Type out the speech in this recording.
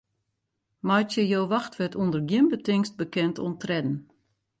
Meitsje jo wachtwurd ûnder gjin betingst bekend oan tredden.